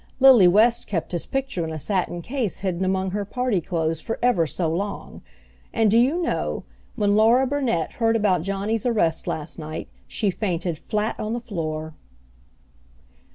Lily West kept his picture in a satin case hidden among her party clothes for ever so long. And do you know, when Laura Burnet heard about Johnny's arrest last night, she fainted flat on the floor."